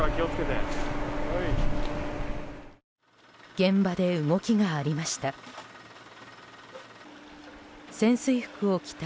現場で動きがありました。